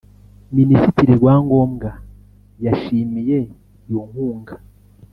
Minisitiri Rwangombwa yashimiye iyo nkunga